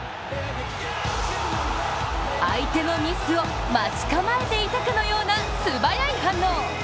相手のミスを待ち構えていたかのような素早い反応。